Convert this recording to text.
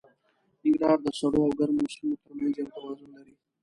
ننګرهار د سړو او ګرمو سیمو تر منځ یو توازن لري.